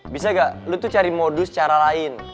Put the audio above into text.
bisa gak lu tuh cari modus cara lain